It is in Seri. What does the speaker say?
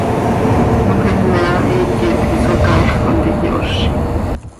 Moxima hiiquet quih Socaaix contihyoozi.